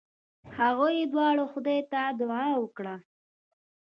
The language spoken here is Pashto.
هغوی دواړو خدای ته دعا وکړه.